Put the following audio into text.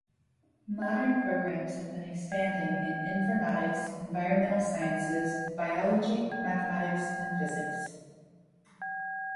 Modern programs have been expanding in: Informatics, Environmental Sciences, Biology, Mathematics and Physics.